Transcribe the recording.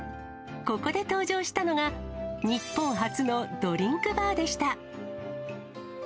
ここで登場したのが、日本初のドリンクバーでした。